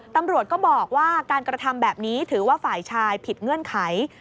ตำรวจก็บอกว่าการกระทำแบบนี้